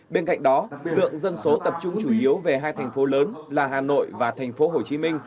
bên cạnh đó lượng dân số tập trung chủ yếu về hai thành phố lớn là hà nội và tp hcm